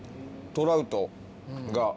トラウトが。